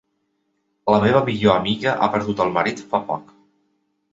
La meva millor amiga ha perdut el marit fa poc.